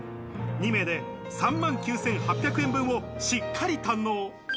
２名で３万９８００円分をしっかり堪能。